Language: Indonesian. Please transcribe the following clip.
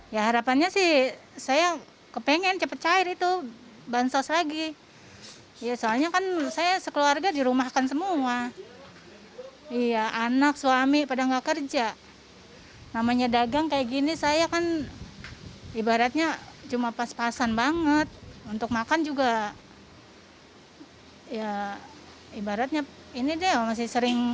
ibaratnya cuma pas pasan banget untuk makan juga ibaratnya ini deh masih sering kurang kita belum biaya anak sekolah